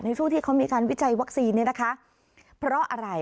ในช่วงที่เขามีการวิจัยวัคซีนเนี่ยนะคะเพราะอะไร